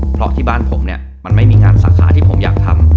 เพราะที่บ้านผมเนี่ยมันไม่มีงานสาขาที่ผมอยากทำ